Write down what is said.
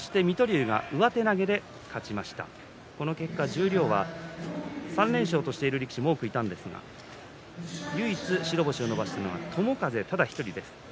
十両は、この結果３連勝としている力士が多くいましたが唯一白星を伸ばしたのが友風ただ１人です。